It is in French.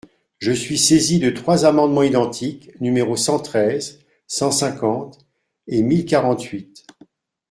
Je suis saisi de trois amendements identiques, numéros cent treize, cent cinquante et mille quarante-huit.